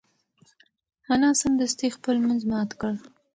انا سمدستي خپل لمونځ مات کړ.